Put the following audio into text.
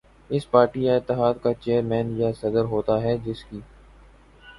اس party یا اتحاد کا چیئرمین یا صدر ہوتا ہے جس کی